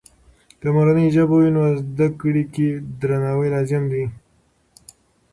که مورنۍ ژبه وي، نو زده کړې کې درناوی لازم دی.